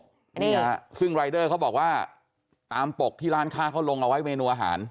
อันนี้ซึ่งรายเดอร์เขาบอกว่าตามปกที่ร้านค้าเขาลงเอาไว้เมนูอาหาร